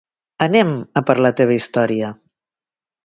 Anem a per la teva història.